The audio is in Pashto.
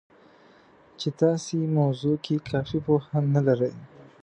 چې تاسې موضوع کې کافي پوهه نه لرئ